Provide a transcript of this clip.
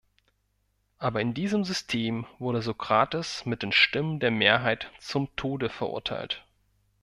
Aber in diesem System wurde Sokrates mit den Stimmen der Mehrheit zum Tode verurteilt.